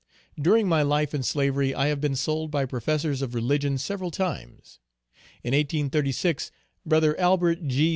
During my life in slavery I have been sold by professors of religion several times. In 1836 "Bro." Albert G.